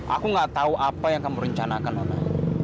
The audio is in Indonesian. aku gak tau apa yang kamu rencanakan nara